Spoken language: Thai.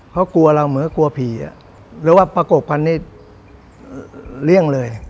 เขากลัวเราเหมือนกลัวผีหรือว่าประกบพันนี้เลี่ยงเลย